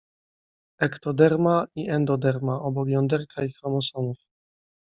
Ektoderma i endoderma obok jąderka i chromosomów.